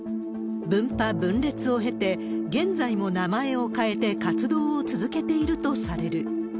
分派、分裂を経て、現在も名前を変えて活動を続けているとされる。